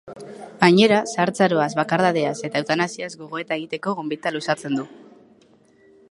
Gainera, zahartzaroaz, bakardadeaz eta eutanasiaz gogoeta egiteko gonbita luzatzen du.